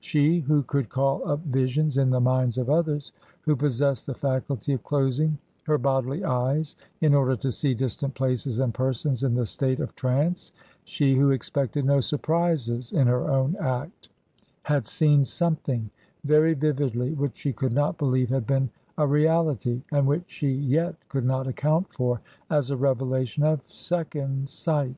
She, who could call up visions in the minds of others, who possessed the faculty of closing her bodily eyes in order to see distant places and persons in the state of trance, she, who expected no surprises in her own act, had seen something very vividly, which she could not believe had been a reality, and which she yet could not account for as a revelation of second sight.